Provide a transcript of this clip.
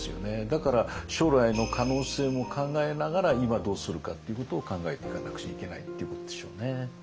だから将来の可能性も考えながら今どうするかっていうことを考えていかなくちゃいけないっていうことでしょうね。